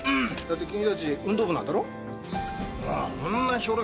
君たち運動部なんだろ。